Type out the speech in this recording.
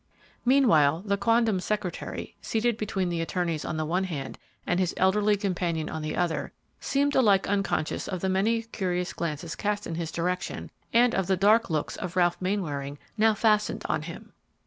Meanwhile, the quondam secretary, seated between the attorneys on the one hand and his elderly companion on the other, seemed alike unconscious of the many curious glances cast in his direction and of the dark looks of Ralph Mainwaring now fastened on him.